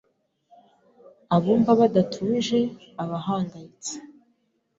Abumva badatuje, abahangayitse,